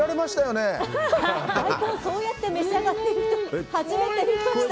大根をそうやって召し上がってる人初めて見ました。